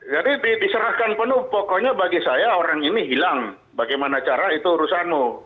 diserahkan penuh pokoknya bagi saya orang ini hilang bagaimana cara itu urusanmu